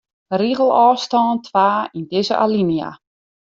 Rigelôfstân twa yn dizze alinea.